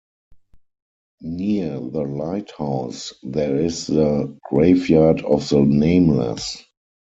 Near the lighthouse there is the "graveyard of the nameless".